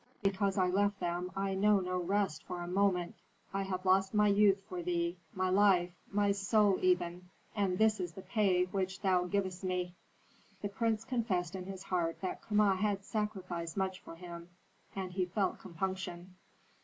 Because I left them I know no rest for a moment; I have lost my youth for thee, my life, my soul even, and this is the pay which thou givest me." The prince confessed in his heart that Kama had sacrificed much for him, and he felt compunction.